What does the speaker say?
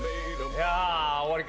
いやー、終わりか。